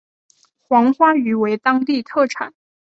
黄花鱼为当地特产。